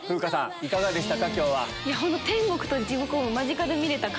いかがでしたか？